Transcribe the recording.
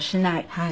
はい。